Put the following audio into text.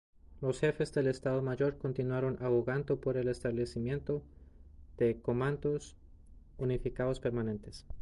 Los Jefes de Estado Mayor continuaron abogando por el establecimiento de comandos unificados permanentes.